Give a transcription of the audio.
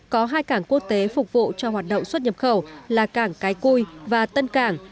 có hai cảng quốc tế phục vụ cho hoạt động xuất nhập khẩu là cảng cái cui và tân cảng